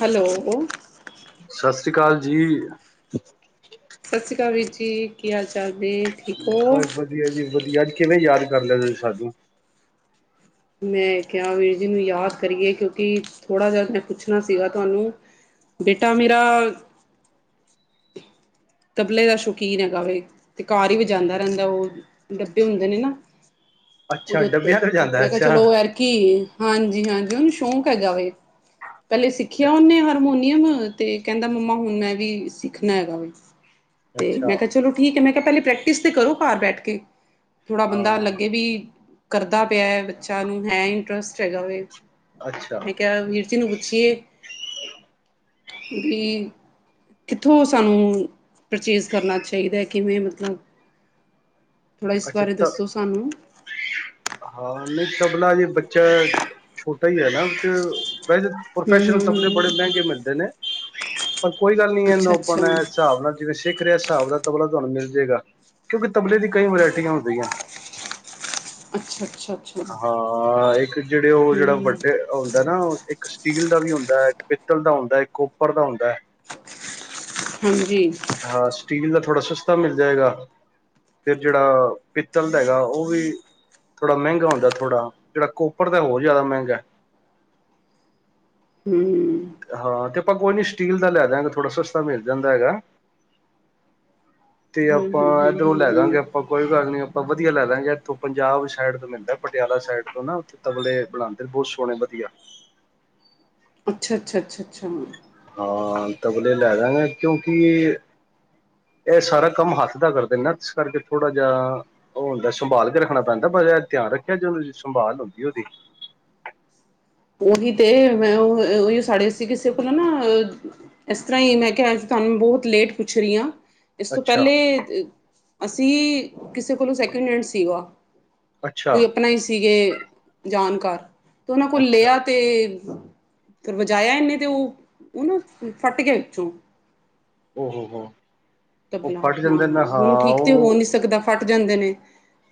Hello ਸਤਿ ਸ੍ਰੀ ਅਕਾਲ ਜੀ। ਸਤਿ ਸ੍ਰੀ ਅਕਾਲ ਵੀਰ ਜੀ ਕੀ ਹਾਲ ਚਾਲ ਨੇ ਠੀਕ ਹੋ? ਹਾਂਜੀ-ਹਾਂਜੀ ਵਧੀਆ ਅੱਜ ਕਿਵੇਂ ਯਾਦ ਕਰ ਲਿਆ ਤੁਸੀਂ ਸਾਨੂੰ? ਮੈਂ ਕਿਹਾ ਵੀਰ ਜੀ ਨੂੰ ਯਾਦ ਕਰੀਏ ਕਿਉਂਕਿ ਥੋੜਾ ਜਿਹਾ ਮੈਂ ਪੁੱਛਣਾ ਸੀਗਾ ਤੁਹਾਨੂੰ। ਬੇਟਾ ਮੇਰਾ ਤਬਲੇ ਦਾ ਸ਼ੌਕੀਨ ਹੈਗਾ ਵੇ, ਤੇ ਘਰ ਹੀ ਵਜਾਉਦਾ ਰਹਿੰਦਾ ਉਹ ਡੱਬੇ ਹੁੰਦੇ ਨੇ ਨਾ। ਅੱਛਾ ਉਹਦੇ ਉੱਤੇ, ਡੱਬਿਆਂ ਤੋਂ ਜਾਂਦਾ ਮੈਂ ਕਿਹਾ ਅੱਛਾ। ਚਲੋ ਐਤਕੀ, ਹਾਂਜੀ-ਹਾਂਜੀ ਉਹਨੂੰ ਸ਼ੌਕ ਹੈਗਾ ਵੇ। ਪਹਿਲੇ ਸਿੱਖਿਆ ਉਹਨੇ ਹਾਰਮੋਨੀਅਮ ਤੇ ਕਹਿੰਦਾ ਮੰਮਾ ਹੁਣ ਮੈਂ ਵੀ ਸਿੱਖਣਾ ਹੈਗਾ ਵਾ। ਤੇ ਅੱਛਾ। ਮੈਂ ਕਿਹਾ ਚਲੋ ਠੀਕ ਏ ਮੈਂ ਕਿਹਾ ਪਹਿਲੇ ਪ੍ਰੈਕਟਿਸ ਤੇ ਕਰੋ ਘਰ ਬੈਠ ਕੇ। ਥੋੜਾ ਬੰਦਾ ਹਾਂ ਲੱਗੇ ਵੀ, ਕਰਦਾ ਪਿਆ ਐ ਬੱਚਾ ਨੂੰ ਹੈ ਇੰਟਰਸਟ ਹੈਗਾ ਵੇ। ਅੱਛਾ ਮੈਂ ਕਿਹਾ ਵੀਰ ਜੀ ਨੂੰ ਪੁੱਛੀਏ। ਵੀ, ਕਿੱਥੋਂ ਸਾਨੂੰ ਪਰਚੇਜ਼ ਕਰਨਾ ਚਾਹੀਦਾ ਕਿਵੇਂ ਮਤਲਬ, ਥੋੜ੍ਹਾ ਇਸ ਅੱਛਾ ਬਾਰੇ ਤ ਦੱਸੋ ਸਾਨੂੰ? [unintelligible] ਹਾਂ ਨਹੀਂ ਤਬਲਾ ਜੇ ਬੱਚਾ, ਛੋਟਾ ਹੀ ਹੈ ਨਾ ਤੇ ਪਹਿਲੇ ਹੂੰ ਪ੍ਰੋਫੈਸ਼ਨਲ ਹੂੰ ਤਬਲੇ ਹੂੰ ਬੜੇ ਮਹਿੰਗੇ ਮਿਲਦੇ ਨੇ, ਪਰ ਕੋਈ ਗੱਲ ਨਹੀਂ ਅੱਛਾ ਇਹਨੂੰ ਅੱਛਾ ਆਪਣੇ ਹਿਸਾਬ ਨਾਲ ਜਿਵੇਂ ਸਿੱਖ ਰਿਹਾ ਹਿਸਾਬ ਦਾ ਤਬਲਾ ਤੁਹਾਨੂੰ ਮਿਲ ਜੇਗਾ। ਕਿਉਂਕਿ ਤਬਲੇ ਦੀ ਕਈ ਵੈਰਾਇਟੀਆਂ ਹੁੰਦੀਆਂ। ਅੱਛਾ-ਅੱਛਾ। ਹਾਂ ਇੱਕ ਜਿਹੜੇ ਉਹ ਜਿਹੜਾ ਹੂੰ ਵੱਡੇ ਹੁੰਦਾ ਨਾ ਇੱਕ ਸਟੀਲ ਦਾ ਵੀ ਹੁੰਦਾ, ਇੱਕ ਪਿੱਤਲ ਦਾ ਹੁੰਦਾ, ਇਕ ਕੋਪਰ ਦਾ ਹੁੰਦਾ। ਹਾਂਜੀ। ਹਾਂ ਸਟੀਲ ਦਾ ਥੋੜ੍ਹਾ ਸਸਤਾ ਮਿਲ ਜਾਏਗਾ। ਫਿਰ ਜਿਹੜਾ ਪਿੱਤਲ ਦਾ ਹੈਗਾ ਉਹ ਵੀ ਥੋੜਾ ਮਹਿੰਗਾ ਹੁੰਦਾ ਥੋੜਾ, ਜਿਹੜਾ ਕੋਪਰ ਤਾਂ ਹੋਰ ਜ਼ਿਆਦਾ ਮਹਿੰਗਾ। ਹੂੰ-ਹੂੰ ਹਾਂ ਤੇ ਆਪਾਂ ਕੋਈ ਨੀ ਸਟੀਲ ਦਾ ਲੈ ਦਾਗੇ ਥੋੜ੍ਹਾ ਸਸਤਾ ਮਿਲ ਜਾਂਦਾ ਹੈਗਾ। ਤੇ ਹੂੰ ਆਪਾਂ ਹੂੰ ਇੱਧਰੋਂ ਹੂੰ ਲੈ ਦਾਂਗੇ ਹੂੰ ਆਪਾਂ ਕੋਈ ਗੱਲ ਨੀ ਆਪਾਂ ਵਧੀਆ ਲੈ ਦਾਗੇ ਇੱਥੋਂ ਪੰਜਾਬ ਸਾਈਡ ਤੋਂ ਮਿਲਦਾ ਪਟਿਆਲਾ ਸਾਈਡ ਤੋਂ ਨਾ। ਤਬਲੇ ਬਣਾਉਦੇ ਬਹੁਤ ਸੋਹਣੇ ਵਧੀਆ। ਅੱਛਾ ਅੱਛਾ ਅੱਛਾ ਅੱਛਾ। ਹਾਂ ਤਬਲੇ ਲੈ ਦਾਗੇ ਕਿਉਂਕਿ ਇਹ ਸਾਰਾ ਕੰਮ ਹੱਥ ਦਾ ਕਰਦੇ ਨੇ ਇਸ ਕਰਕੇ ਥੋੜਾ ਜਿਹਾ ਉਹ ਹੁੰਦਾ ਸੰਭਾਲ ਕੇ ਰੱਖਣਾ ਪੈਂਦਾ ਬਟ ਧਿਆਨ ਰੱਖਿਆ ਜਦੋਂ ਸੰਭਾਲ ਹੁੰਂਦੀ ਉਹਦੀ। ਉਹੀ ਤੇ ਮੈਂ ਉਹੀ ਸਾਰੇ ਸਾਡੇ ਕਿਸੇ ਕੋਲ ਨਾ ਇਸ ਤਰ੍ਹਾਂ ਹੀ ਮੈਂ ਕਿਹਾ ਅੱਜ ਤੁਹਾਨੂੰ ਬਹੁਤ ਲੇਟ ਪੁੱਛ ਰਹੀ ਆ। ਇਸ ਤੋਂ ਅੱਛਾ ਪਹਿਲੇ ਅਸੀਂ ਕਿਸੇ ਕੋਲੋਂ ਸੈਕਿੰਡ ਹੈਂਡ ਸੀਗਾ। ਅੱਛਾ ਕੋਈ ਆਪਣਾ ਹੀ ਸੀਗੇ ਜਾਣਕਾਰ ਓ ਅੱਛਾ ਲਿਆ ਤੇ ਫੇਰ ਵਜਾਇਆ ਇਹਨੇ ਤੇ ਉਹ ਉਹ ਨਾ ਫੱਟ ਗਿਆ ਵਿੱਚੋਂ ਓ ਹੋ ਹੋ। ਉਹ ਤਬਲਾ ਫਟ ਹਾਂ ਜਾਂਦਾ ਨਾ ਹੁਣ ਹਾਂ ਠੀਕ ਤੇ ਹੋ ਨੀ ਉਹ ਸਕਦਾ। ਫੱਟ ਜਾਂਦੇ ਨੇ,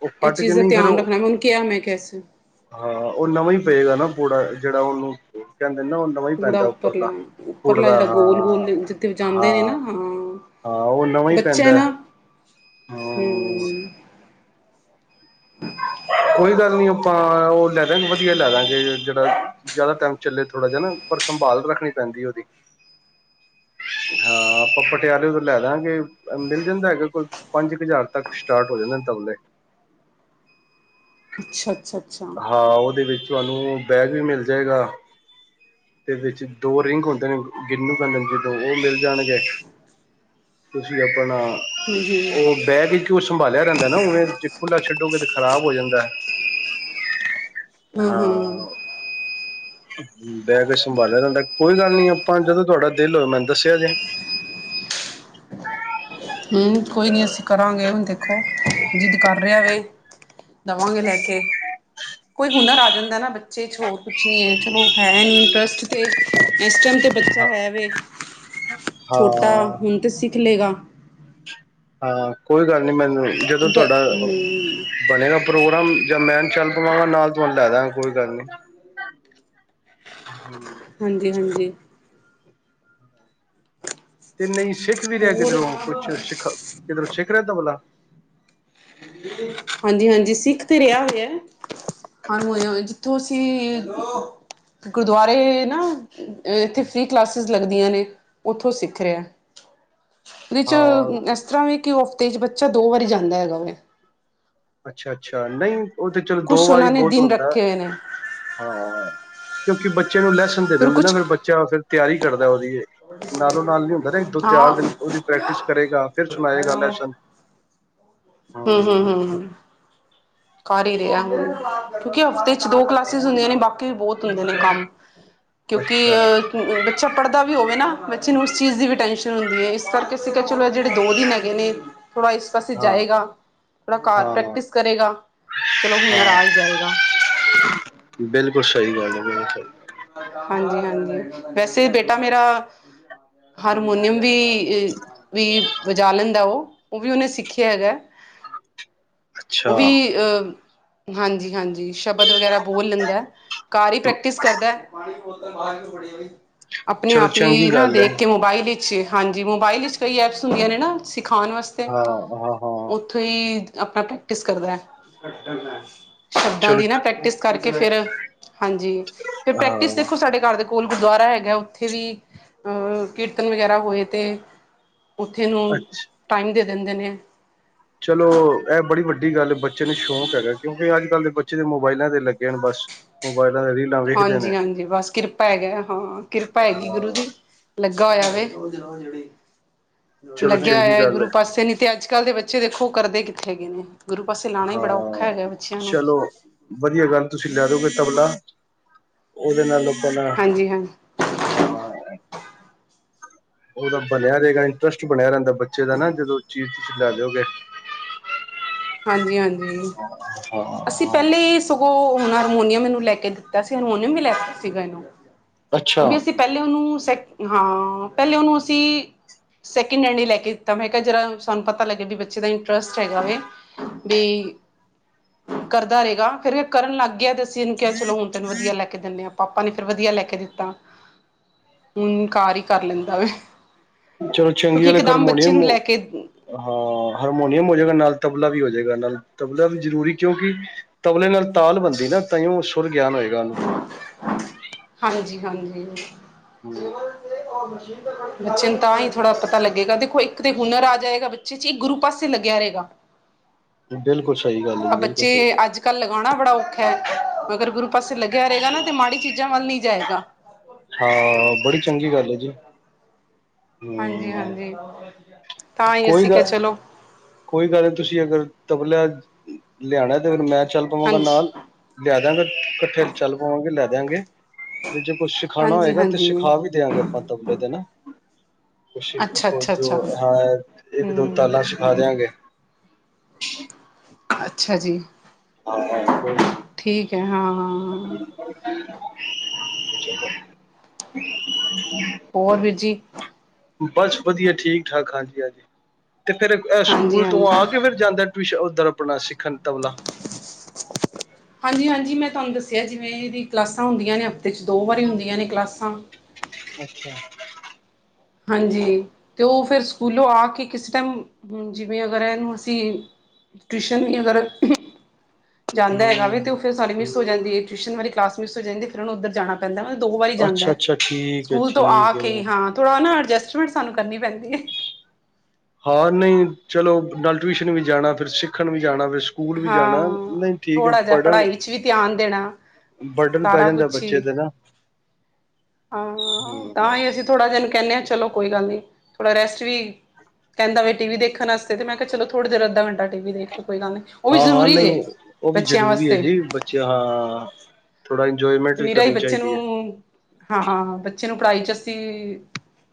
ਉਹ ਇਸ ਫਟ ਕੇ ਚੀਜ਼ ਦਾ ਨਹੀਂ ਫੇਰ ਧਿਆਨ ਉਹ ਰੱਖਣਾ ਉਹਨੂੰ ਕਿਹਾ ਮੈਂ ਇਸ ਹਾਂ ਉਹ ਨਵਾਂ ਹੀ ਪਏਗਾ ਨਾ ਪੂਰਾ ਜਿਹੜਾ ਉਹਨੂੰ ਕਹਿੰਦੇ ਨਾ ਉਹ ਨਵਾਂ ਹੀ ਪੂੜਾ ਪੈਂਦਾ ਉੱਪਰਲਾ ਪੂਰ ਉੱਪਰਲਾ ਦਾ ਜਿਹੜਾ ਗੋਲ ਹਾਂ ਗੋਲ ਜਿੱਥੇ ਜਾਂਦੇ ਨੇ ਹਾਂ ਨਾ ਹਾਂ ਹਾਂ ਉਹ ਨਵਾਂ ਈ ਪੈਂਦਾ। ਹੂ ਹਮ [unintelligible] ਕੋਈ ਗੱਲ ਨੀ ਆਪਾਂ ਉਹ ਲੈ ਦਾਗੇ ਵਧੀਆ ਲੈ ਦਾਂਗੇ ਜਿਹੜਾ ਜ਼ਿਆਦਾ ਟਾਈਮ ਚੱਲੇ ਥੋੜ੍ਹਾ ਜਿਹਾ ਨਾ ਪਰ ਸੰਭਾਲ ਰੱਖਣੀ ਪੈਂਦੀ ਉਹਦੀ ਹਾਂ ਆਪਾਂ ਪਟਿਆਲੇ ਤੋਂ ਲੈ ਲਾਂਗੇ ਮਿਲ ਜਾਂਦਾ ਹੈਗਾ ਕੋਈ ਪੰਜ ਕ ਹਜ਼ਾਰ ਤੱਕ ਸਟਾਰਟ ਹੋ ਜਾਂਦੇ ਤਬਲੇ ਅੱਛਾ, ਅੱਛਾ, ਅੱਛਾ ਹੂੰ ਹਾਂ ਉਹਦੇ ਵਿੱਚ ਤੁਹਾਨੂੰ ਬੈਗ ਵੀ ਮਿਲ ਜਾਏਗਾ ਤੇ ਵਿੱਚ ਦੋ ਰਿੰਗ ਹੁੰਦੇ ਨੇ ਬਿਨੂੰ ਕਹਿੰਦੇ [inaudible] ਉਹ ਮਿਲ ਜਾਣਗੇ ਤੁਸੀਂ ਆਪਣਾ ਹੂੰ, ਹੂੰ ਉਹ ਬੈਗ ਵਿਚ ਉਹ ਸੰਭਾਲਿਆ ਰਹਿੰਦਾ ਨਾ ਉਵੇ ਜੇ ਖੁੱਲ੍ਹਾ ਛੱਡੋਗੇ ਤਾਂ ਖਰਾਬ ਹੋ ਜਾਂਦਾ ਹੂੰ ਹੂੰ ਹਾਂ ਬੈਗ ਵਿਚ ਸੰਭਾਲਿਆ ਰਹਿੰਦਾ ਕੋਈ ਗੱਲ ਨੀ ਆਪਾਂ ਜਦੋਂ ਤੁਹਾਡਾ ਦਿਲ ਹੋਵੇ ਮੈਨੂੰ ਦੱਸਿਆ ਜੇ ਹੂੰ ਕੋਈ ਨਹੀਂ ਅਸੀਂ ਕਰਾਂਗੇ ਹੁਣ ਦੇਖੋ ਜਿੱਦ ਕਰ ਰਿਹਾ ਵੇ ਦਵਾਂਗੇ ਲੈ ਕੇ ਕੋਈ ਹੁਨਰ ਆ ਜਾਂਦਾ ਨਾ ਬੱਚੇ ਚ ਹੋਰ ਕੁਛ ਨਹੀਂ ਏ ਚਲੋ ਹੈ ਇਹਨੂੰ ਇੰਟਰਸਟ ਤੇ ਇਸ ਟਾਈਮ ਤੇ ਬੱਚਾ ਹੈ ਵੇ ਛੋਟਾ ਹਾਂ ਹੁਣ ਤਾਂ ਸਿੱਖ ਲਏਗਾ ਹਾਂ ਕੋਈ ਗੱਲ ਨੀ ਮੈਨੂੰ ਜਦੋਂ ਵ ਤੁਹਾਡਾ ਹੂੰ ਬਣੇਗਾ ਪ੍ਰੋਗਰਾਮ ਜਾਂ ਮੈਂ ਚੱਲ ਪਵਾਂਗਾ ਨਾਲ ਤੁਹਾਨੂੰ ਲੈ ਜਾਗਾ ਕੋਈ ਗੱਲ ਨੀ ਹੂੰ ਹਾਂਜੀ, ਹਾਂਜੀ ਤੇ ਨਹੀਂ ਸਿੱਖ ਵੀ ਰਿਹਾ ਹੋਰ ਕਿੱਧਰੋਂ ਕੁਛ ਸਿੱਖ ਕਿੱਧਰੋਂ ਸਿੱਖ ਰਿਹਾ ਤਬਲਾ ਹਾਂਜੀ, ਹਾਂਜੀ ਸਿੱਖ ਤੇ ਰਿਹਾ ਹੋਇਆ ਹਾਂ ਉਹੀ ਉਹੀ ਜਿੱਥੋਂ ਅਸੀਂ ਗੁਰਦੁਆਰੇ ਨਾ ਅ ਇੱਥੇ ਫਰੀ ਕਲਾਸਿਸ ਲੱਗਦੀਆਂ ਨੇ ਉੱਥੋਂ ਸਿੱਖ ਰਿਹਾ ਉਹਦੇ ਚ ਹਾਂ ਇਸ ਤਰ੍ਹਾਂ ਵੀ ਕਿ ਹਫਤੇ ਚ ਬੱਚਾ ਦੋ ਵਾਰੀ ਅੱਛਾ, ਅੱਛਾ ਨਹੀਂ ਉਹ ਤੇ ਚਲੋ ਦੋ ਕੁਛ ਉਹਨਾਂ ਵਾਰੀ ਨੇ ਬਹੁਤ ਦਿਨ ਹੁੰਦਾ ਏ ਰੱਖੇ ਹੋਏ ਨੇ ਹਾਂ ਕਿਉਂਕਿ ਬੱਚੇ ਨੂੰ ਲੈਸਨ ਦੇ ਦਿੰਦੇ ਨਾ ਫਿਰ ਬੱਚਾ ਫਿਰ ਤਿਆਰੀ ਕਰਦਾ ਉਹਦੀ ਨਾਲੋਂ ਨਾਲ ਨੀ ਹੁੰਦਾ ਨਾ ਇੱਕ ਦੋ ਹਾਂ ਚਾਰ ਦਿਨ ਉਹਦੀ ਪ੍ਰੈਕਟਿਸ ਕਰੇਗਾ ਫਿਰ ਸੁਣਾਏਗਾ ਲੈਸਨ ਹੂੰ, ਹੂੰ, ਹਾਂ ਹੂੰ, ਹੂੰ ਕਰ ਹੀ ਰਿਹਾ ਹੁਣ ਕਿਉਂਕਿ ਹਫ਼ਤੇ ਚ ਦੋ ਕਲਾਸਿਸ ਹੁੰਦੀਆਂ ਨੇ ਬਾਕੀ ਬਹੁਤ ਹੁੰਦੇ ਨੇ ਕੰਮ ਕਿਉਂਕਿ ਅੱਛਾ ਅਹ ਬੱਚਾ ਪੜ੍ਹਦਾ ਵੀ ਹੋਵੇ ਨਾ ਬੱਚੇ ਨੂੰ ਉਸ ਚੀਜ਼ ਦੀ ਵੀ ਟੈਂਸ਼ਨ ਹੁੰਦੀ ਏ ਇਸ ਕਰਕੇ ਅਸੀਂ ਕਹਿ ਚਲੋ ਜਿਹੜੇ ਇਹ ਦੋ ਦਿਨ ਹੈਗੇ ਨੇ ਥੋੜਾ ਇਸ ਪਾਸੇ ਹਾਂ ਜਾਏਗਾ ਥੋੜਾ ਘਰ ਹਾਂ ਪ੍ਰੈਕਟਿਸ ਕਰੇਗਾ ਚਲੋ ਹੁਨਰ ਆ ਹੀ ਹਾਂ ਜਾਏਗਾ ਬਿਲਕੁਲ ਸਹੀ ਗੱਲ ਏ ਬਿਲਕੁਲ ਹਾਂਜੀ, ਹਾਂਜੀ ਵੈਸੇ ਬੇਟਾ ਮੇਰਾ ਹਾਰਮੋਨੀਅਮ ਵੀ ਵੀ ਵਜਾ ਲੈਂਦਾ ਉਹ ਉਹ ਵੀ ਉਹਨੇ ਸਿੱਖਿਆ ਹੈਗਾ ਉਹ ਅੱਛਾ ਵੀ ਅਹ ਹਾਂਜੀ, ਹਾਂਜੀ ਜੀ ਸ਼ਬਦ ਵਗੈਰਾ ਬੋਲ ਲੈਂਦਾ ਘਰ ਹੀ ਪ੍ਰੈਕਟਿਸ ਕਰਦਾ ਆਪਣੇ ਚਲੋ ਆਪ ਹੀ ਚੰਗੀ ਨਾ ਗੱਲ ਹੈ ਦੇਖ ਕੇ ਮੋਬਾਇਲ ਵਿੱਚ ਹਾਂਜੀ ਮੋਬਾਇਲ ਵਿੱਚ ਕਈ ਐਪਸ ਹੁੰਦੀਆਂ ਨੇ ਨਾ ਸਿਖਾਉਣ ਵਾਸਤੇ ਹਾਂ, ਹਾਂ, ਹਾਂ ਉੱਥੋਂ ਹੀ ਆਪਣਾ ਪ੍ਰੈਕਟਿਸ ਕਰਦਾ ਸ਼ਬਦਾਂ ਚਲੋ ਦੀ ਨਾ ਪ੍ਰੈਕਟਿਸ ਕਰਕੇ ਫਿਰ ਹਾਂਜੀ ਫਿਰ ਪ੍ਰੈਕਟਿਸ ਹਾਂ ਦੇਖੋ ਸਾਡੇ ਘਰ ਦੇ ਕੋਲ ਗੁਰਦੁਆਰਾ ਹੈਗਾ ਉੱਥੇ ਵੀ ਅ ਕੀਰਤਨ ਵਗੈਰਾ ਹੋਏ ਤੇ ਉੱਥੇ ਉਹਨੂੰ ਅੱਛਾ ਟਾਈਮ ਦੇ ਦਿੰਦੇ ਨੇ ਚਲੋ ਇਹ ਬੜੀ ਵੱਡੀ ਗੱਲ ਬੱਚੇ ਨੂੰ ਸ਼ੌਂਕ ਹੈਗਾ ਕਿਉਂਕਿ ਅੱਜ ਕੱਲ੍ਹ ਦੇ ਬੱ ਚੇ ਮੋਬਾਇਲਾਂ ਤੇ ਲੱਗੇ ਨੇ ਬਸ ਮੋਬਾਇਲਾਂ ਤੇ ਰੀਲ ਹਾਂਜੀ, ਹਾਂਜੀ ਬਸ ਕਿਰਪਾ ਹੈਗਾ ਹਾਂ ਕਿਰਪਾ ਹੈਗੀ ਗੁਰੂ ਹਾਂ ਦੀ ਲੱਗਾ ਹੋਇਆ ਵੇ ਚਲੋ ਲੱਗਿਆ ਚੰਗੀ ਹੋਇਆ ਗੱਲ ਹੈ ਗੁਰੂ ਪਾਸੇ ਨੀ ਤੇ ਅੱਜ ਅੱਜ ਕੱਲ੍ਹ ਦੇ ਬੱਚੇ ਦੇਖੋ ਕਰਦੇ ਕਿੱਥੇ ਹੈਗੇ ਨੇ ਗੁਰੂ ਪਾਸੇ ਲਾਣਾ ਹੀ ਬੜਾ ਔਖਾ ਹੈਗਾ ਹਾਂ ਬੱਚਿਆਂ ਨੂੰ ਚਲੋ ਵਧੀਆ ਗੱਲ ਤੁਸੀਂ ਲੈ ਦੋਗੇ ਤਬਲਾ ਉਹਦੇ ਨਾਲ ਆਪਾਂ ਨਾਲ ਹਾਂਜੀ ਹਾਂਜੀ। ਉਹਦਾ ਬਣਿਆ ਰਹੇਗਾ ਇੰਟਰਸਟ ਬਣਿਆ ਰਹਿੰਦਾ ਬੱਚੇ ਦਾ ਨਾ ਜਦੋਂ ਚੀਜ਼ ਤੁਸੀਂ ਲੈ ਲਓਗੇ। ਹਾਂਜੀ ਹਾਂਜੀ ਅਸੀਂ ਹਾਂ ਪਹਿਲੇ ਸਗੋਂ ਹੁਣ ਹਰਮੋਨੀਅਮ ਇਹਨੂੰ ਲੈ ਕੇ ਦਿੱਤਾ ਸੀ ਹਰਮੋਨੀਅਮ ਵੀ ਲੈ ਸੀਗਾ ਇਹਨੂੰ ਅੱਛਾ ਉਹ ਵੀ ਅਸੀਂ ਪਹਿਲੇ ਉਹਨੂੰ ਸੈ ਹਾਂ ਪਹਿਲੇ ਉਹਨੂੰ ਅਸੀਂ ਸੈਕਿੰਡਡ ਲਈ ਲੈ ਕੇ ਦਿੱਤਾ ਮ ਹੈਗਾ ਜਿਹ ਸਾਨੂੰ ਪਤਾ ਲੱਗੇਗਾ ਵੀ ਬੱਚੇ ਦਾ ਇੰਟਰਸਟ ਹੈਗਾਵੇ। ਵੀ ਕਰਦਾ ਰਹੇਗਾ ਫੇਰ ਕਰਨ ਲੱਗ ਗਿਆ ਤੇ। ਕਿਹਾ ਚੱਲ ਹੁਣ ਤੈਨੂੰ ਵਧੀਆ ਲੈ ਕੇ ਦਿੰਨੇ। ਦਿੰਦੇ ਆ ਪਾਪਾ ਨੇ ਫਿਰ ਵਧੀਆ ਲੈ ਕੇ ਦਿੱਤਾ ਘਰ ਹੀ ਕਰ ਲੈਂਦਾ ਵਾ। ਚਲੋ ਚੰਗੀ ਵਾਲੇ ਗਰਮਾਉਣੇ ਨੂੰ ਆੂੰ ਲੈ ਕੇ ਹਾਂ ਹਾਰਮੋਨੀਅਮ ਹੋ ਜਾਏਗਾ ਨਾਲ ਤਬਲਾ ਵੀ ਹੋ ਜਾਏਗਾ ਨਾਲ ਤਬਲਾ ਵੀ ਜ਼ਰੂਰੀ ਕਿਉਂਕਿ ਤਬਲੇ ਨਾਲ ਤਾਲ ਬਣਦੀ ਨਾ ਤਾਂ ਸੁਰ ਗਿਆਨ ਹੋਏ। ਹਾਂਜੀ ਹਾਂਜੀ। ਹੂੰ ਬੱਚੇ ਨੂੰ ਤਾਂ ਹੀ ਥੋੜ੍ਹਾ ਪਤਾ ਲੱਗੇਗਾ ਦੇਖੋ ਇੱਕ ਤੇ ਹੁਨਰ ਆ ਜਾਏਗਾ ਬੱਚੇ ਚ ਇਹ ਗੁਰੂ ਪਾਸੇ ਲੱਗਿਆ ਰਹੇਗਾ। ਬਿਲਕੁਲ ਸਹੀ ਗੱਲ ਹੈ ਜੀ ਬਿਲਕੁਲ ਸਹੀ ਗੱਲ। ਕੱਲ ਲਗਾਉਣਾ ਬੜਾ ਔਖਾ ਹੈ ਅਗਰ ਗੁਰੂ ਪਾਸੇ ਲੱਗਿਆ ਰਹੇਗਾ ਨਾ ਤੇ ਮਾੜੀ ਚੀਜ਼ਾਂ ਵੱਲ ਨੀ ਜਾਏਗਾ। ਹਾਂ ਬੜੀ ਚੰਗੀ ਗੱਲ ਜੀ। ਹਾਂਜੀ ਹੂੰ ਹਾਂਜੀ ਤਾਂ ਹੀ ਕੋਈ ਅਸੀਂ ਕ ਗੱਲ ਚਲੋ ਕੋਈ ਗੱਲ ਨਹੀਂ ਤੁਸੀਂ ਅਗਰ ਤਬਲਿਆ ਲਿਆਣਾ ਤੇ ਫ ਮੈਂ ਚੱਲ ਪਾਵਾਂਗਾ ਹਾਂਜੀ ਨਾਲ। ਲੈ ਦਿਆਂਗਾ ਇਕੱਠੇ ਚੱਲ ਪਾਵਾਂਗੇ ਲੈ ਦਿਆਂਗੇ ਤੇ ਜੇ ਕੁਛ ਸਿਖਾਣਾ ਹਾਂਜੀ ਹੋਏਗਾ ਤੇ ਹਾਂਜੀ ਸਿਖਾ ਵੀ ਦਿਆਂਗੇ ਆਪਾਂ ਤਬਲੇ ਦੇ ਨਾ। ਕੁਛ ਅੱਛਾ ਅੱਛਾ ਅੱਛਾ ਜੋ ਹਾਂ ਇੱਕ ਦੋ ਹਮ ਤਾਲਾ ਛਿਖਾ ਦਿਆਂਗੇ। ਅੱਛਾ ਜੀ ਹਾਂ ਕੋਈ ਗੱਲ ਠੀਕ ਹੈ ਹਾਂ ਹਾਂ ਹਾਂ। ਹੋਰ ਵੀਰਜੀ। ਬਸ ਵਧੀਆ ਠੀਕ ਠਾਕ ਹਾਂਜੀ ਹਾਂਜੀ ਤੇ ਫਿਰ ਹਾਂਜੀ ਸਕੂਲ ਤੋਂ ਹਾਂਜੀ ਆ ਕੇ ਫਿਰ ਜਾਂਦਾ ਟਿਊ ਉੱਧਰ ਆਪਣਾ ਸਿੱਖਣ ਤਬਲਾ। ਹਾਂਜੀ ਹਾਂਜੀ ਮੈਂ ਤੁਹਾਨੂੰ ਦੱਸਿਆ ਜਿਵੇਂ ਇਹ ਦੀ ਕਲਾਸਾਂ ਹੁੰਦੀਆਂ ਨੇ ਹਫ਼ਤੇ 'ਚ ਦੋ ਵਾਰੀ ਹੁੰਦੀਆਂ ਨੇ ਕਲਾਸਾਂ। ਅੱਛਾ। ਹਾਂਜੀ ਅਤੇ ਉਹ ਫਿਰ ਸਕੂਲੋਂ ਆ ਕੇ ਕਿਸ ਟਾਈਮ ਜਿਵੇਂ ਅਗਰ ਇਹਨੂੰ ਅਸੀਂ ਟਿਊਸ਼ਨ ਵੀ ਅਗਰ ਜਾਂਦਾ ਹੂੰ ਹੈਗਾ ਵੇ ਤੇ ਉਹ ਫਿਰ ਸਾਰੀ ਮਿਸ ਹੋ ਜਾਂਦੀ ਹੈ ਟਿਊਸ਼ਨ ਵਾਲੀ ਕਲਾਸ ਮਿਸ ਹੋ ਜਾਂਦੀ ਫ਼ਿਰ ਉਹਨੂੰ ਉੱਧਰ ਜਾਣਾ ਪੈਂਦਾ ਵੇ ਦੋ ਵਾਰੀ ਅੱਛਾ ਜਾਂਦਾ, ਅੱਛਾ ਠੀਕ ਹੈ ਸਕੂਲ ਤੋਂ ਆ ਠੀਕ ਹੈ ਕੇ ਹਾਂ। ਥੋੜ੍ਹਾ ਨਾ ਅਡਜਸਟਮੈਂਟ ਸਾਨੂੰ ਕਰਨੀ ਪੈਂਦੀ ਹੈ। ਹਾਂ ਨਹੀਂ ਚਲੋ ਨਾਲ ਟਿਊਸ਼ਨ ਵੀ ਜਾਣਾ ਫਿਰ ਸਿੱਖਣ ਵੀ ਜਾਣਾ ਫ ਸਕੂਲ ਵੀ ਜਾਣਾ, ਹਾਂ ਨਹੀਂ ਠੀਕ ਹੈ ਥੋੜ੍ਹਾ ਜਿਹਾ ਪੜ੍ਹਨ। ਪੜ੍ਹਾਈ 'ਚ ਵੀ ਧਿਆਨ ਦੇਣਾ ਬਰਡਨ ਪੈ ਸਾਰਾ ਜਾਂਦਾ ਕੁਛ ਹੀ ਬੱਚੇ ਤੇ ਨਾ। ਹਾਂ ਤਾਂ ਹੀ ਅਸੀਂ ਥੋੜ੍ਹਾ ਇਹਨੂੰ ਕਹਿੰਨੇ ਹਾਂ ਚਲੋ ਕੋਈ ਗੱਲ ਨਹੀਂ ਥੋੜਾ ਰੈਸਟ ਵੀ ਕਹਿੰਦਾ ਵੇ ਟੀ ਵੀ ਦੇਖਣ ਵਾਸਤੇ ਮੈਂ ਕਿਹਾ ਚਲੋ ਥੋੜੀ ਦੇਰ ਅੱਧਾ ਘੰਟ ਟੀ ਵੀ ਦੇਖ ਲਓ ਕੋਈ ਗੱਲ ਨਹੀਂ। ਉਹ ਵੀ ਹਾਂ-ਹਾਂ ਜ਼ਰੂਰੀ ਨਹੀਂ, ਜੇ ਉਹ ਵੀ ਬੱਚਿਆਂ ਜ਼ਰੂਰੀ ਹੈ ਵਾਸਤੇ ਜੀ ਬੱਚੇ ਹਾਂ। ਥੋੜਾ ਇੰਜੋਏਮੈਂਟ ਵੀ ਨਿਰਾ ਹੀ ਕਰਨੀ ਬੱਚੇ ਚਾਹੀਦੀ ਨੂੰ ਹੈ। ਹਾਂ ਬੱਚੇ ਨੂੰ ਪੜ੍ਹਾਈ ਚ ਅਸੀਂ,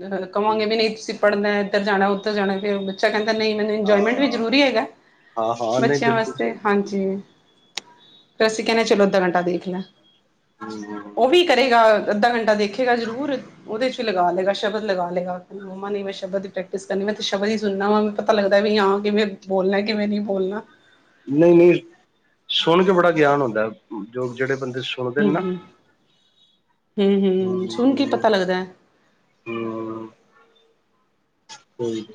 ਅਹ ਕਵਾਂਗੇ ਵੀ ਨਹੀਂ ਤੁਸੀਂ ਪੜ੍ਹਦਾ ਇੱਧਰ ਜਾਣਾ ਉੱਧਰ ਜਾਣਾ ਫਿਰ ਬੱਚਾ ਕਹਿੰਦਾ ਨਹੀਂ ਇੰਜੋਏਮੈਂਟ ਹਾਂ ਵੀ ਜ਼ਰੂਰੀ ਹੈਗਾ, ਹਾਂ ਹਾਂ ਨਹੀਂ ਬੱਚਿਆਂ ਬਿਲਕੁਲ ਵਾਸਤੇ ਸਹੀ ਹਾਂਜੀ। ਫਿਰ ਅਸੀਂ ਕਹਿੰਨੇ ਚਲੋ ਅੱਧਾ ਘੰਟਾ ਦੇਖ ਲਾ। ਹੂੰ-ਹੂੰ ਉਹ ਵੀ ਕਰੇਗਾ ਅੱਧਾ ਘੰਟਾ ਦੇਖੇਗਾ ਜ਼ਰੂਰ, ਉਹਦੇ 'ਚ ਲਗਾ ਲਏਗਾ ਸ਼ਬਦ ਲਗਾ ਲਏਗਾ। ਮੰਮਾ ਨੇ ਮੈਂ ਸ਼ਬਦ ਦੀ ਪ੍ਰੈਕਟਿਸ ਕਰਨੀ ਮੈਂ ਤਾਂ ਸ਼ਬਦ ਹੀ ਸੁਣਨਾ ਵਾ ਪਤਾ ਲੱਗਦਾ ਵੀ ਹਾਂ ਕਿਵੇਂ ਬੋਲਣਾ ਕਿਵੇਂ ਨਹੀਂ ਬੋਲਣਾ। ਨਹੀਂ-ਨਹੀਂ, ਸੁਣ ਕੇ ਬੜਾ ਗਿਆਨ ਹੁੰਦਾ ਜੋ ਜਿਹੜੇ ਬੰਦੇ ਸੁਣਦੇ ਨੇ ਨਾ। ਹੂੰ-ਹੂੰ ਸੁਣ ਕੀ ਈ ਪਤਾ ਲੱਗਦਾ। ਹੂੰ ਕੋਈ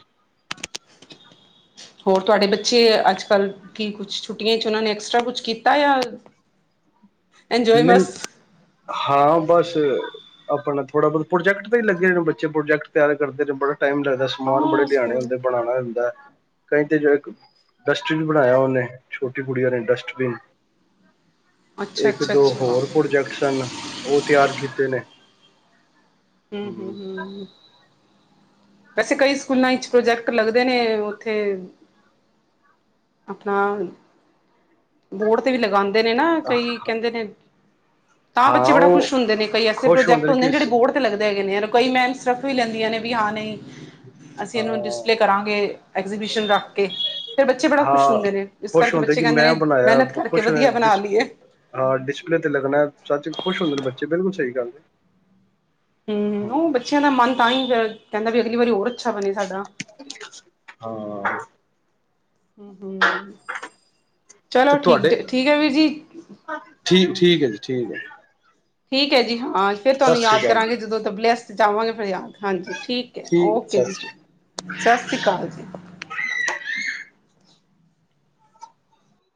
ਹੋਰ ਤੁਹਾਡੇ ਬੱਚੇ ਅੱਜਕੱਲ੍ਹ ਕੀ ਕੁਛ ਛੁੱਟੀਆਂ ਚ ਉਹਨਾਂ ਨੇ ਐਕਸਟਰਾ ਕੁਛ ਕੀਤਾ ਆ ਜਾ ਨਹੀਂ, ਹਾਂ ਬਸ। ਆਪਣਾ ਥੋੜਾ ਬਹੁਤ ਪ੍ਰੋਜੈਕਟ ਹੀ ਲੱਗੇ ਨੇ ਬੱਚੇ ਪ੍ਰੋਜੈਕਟ ਤਿਆਰ ਕਰਦੇ ਨੇ ਬੜਾ ਟਾਈਮ ਲਗਦਾ। ਸਮਾਨ ਬੜੇ ਹਾਂ ਲਿਆਣੇ ਸਕੂਲ ਹੁੰਦੇ ਬਣਾਉਣਾ ਹੁੰਦਾ। ਕਈ ਤੇ ਜੋ ਇੱਕ, ਡਸਟਬਿਨ ਬਣਾਇਆ ਉਹਨੇ ਛੋਟੀ ਕੁੜੀਆਂ ਨੇ ਡਸਟਬਿਨ। ਅੱਛਾ ਇੱਕ ਅੱਛਾ ਦੋ ਅੱਛਾ ਹੋਰ ਪ੍ਰੋਜੈਕਟਸ ਸਨ ਉਹ ਤਿਆਰ ਕੀਤੇ ਨੇ। ਹੂੰ ਹੂੰ ਹੂੰ ਹੂੰ ਵੈਸੇ ਕਈ ਸਕੂਲਾਂ ਵਿੱਚ ਪ੍ਰੋਜੈਕਟ ਲੱਗਦੇ ਨੇ ਉੱਥੇ ਆਪਣਾ, ਬੋਰਡ ਤੇ ਵੀ ਲਗਾਉਂਦੇ ਨੇ ਨਾ ਕਈ ਕਹਿੰਦੇ ਨੇ ਤਾਂ ਹਾਂ ਬੱਚੇ ਬੜਾ ਖੁਸ਼ ਉਹ ਹੁੰਦੇ ਨੇ ਕਈ ਐਸੇ ਪ੍ਰੋਜੈਕਟ ਹੁੰਦੇ ਨੇ ਜਿਹੜੇ ਬੋਰਡ ਲੱਗਦੇ ਹੈਗੇ ਨੇ ਔਰ ਕਈ ਮੈਂਮਸ ਰੱਖ ਵੀ ਲੈਂਦੀਆਂ ਨੇ ਵੀ ਹਾਂ ਨਹੀਂ। ਅਸੀਂ ਇਹਨੂੰ ਹਾਂ ਡਿਸਪਲੇ ਕਰਾਂਗੇ ਐਗਜੀਬਿਸ਼ਨ ਰੱਖ ਕੇ। ਫਿਰ ਬੱਚੇ ਬੜਾ ਖੁਸ਼ ਹਾਂ ਹੁੰਦੇ ਨੇ। ਇਸ ਖੁਸ਼ ਕਰਕੇ ਹੁੰਦੇ ਬੱਚੇ ਕਿ ਕਹਿੰਦੇ ਮੈਂ ਨੇ ਬਣਾਇਆ ਮਿਹਨਤ ਕਰਕੇ ਖੁਸ਼ ਵਧੀਆ ਹੁੰਦੇ ਬਣਾ ਡਿਸ ਲਈਏ। ਹਾਂ ਡਿਸਪਲੇ ਤੇ ਲੱਗਣਾ ਸੱਚ ਖੁਸ਼ ਹੁੰਦੇ ਨੇ ਬੱਚੇ ਬਿਲਕੁਲ ਸਹੀ ਗੱਲ ਐ। ਹੂੰ-ਹੂੰ ਉਹ ਬੱਚਿਆਂ ਦਾ ਮਨ ਤਾਂ ਹੀ ਕਹਿੰਦਾ ਵੀ ਅਗਲੀ ਵਾਰੀ ਹੋਰ ਅੱਛਾ ਬਣੇ ਸਾਡਾ। [unintelligible] ਹਾਂ ਹੂੰ ਚਲੋ ਤੇ ਠੀਕ ਤੁਹਾਡੇ ਠੀਕ ਹੈ ਵੀਰ ਜੀ। ਠੀਕ ਠੀਕ ਹੈ ਜੀ ਠੀਕ ਹੈ। ਠੀਕ ਹੈ ਜੀ ਹਾਂ ਫਿਰ ਸਤਿ ਤੁਹਾਨੂੰ ਸ਼੍ਰੀ ਯਾਦ ਅਕਾਲ ਜੀ ਕਰਾਂਗੇ ਜਦੋਂ ਤਬਲੇ ਆਸਤੇ ਜਾਵਾਂਗੇ ਫਿਰ ਯਾਦ। ਹਾਂਜੀ ਠੀਕ ਹੈ ਓਕੇ ਸਤਿ ਜੀ, ਸ਼੍ਰੀ ਅਕਾਲ। ਸਤਿ ਸ਼੍ਰੀ ਅਕਾਲ ਜੀ।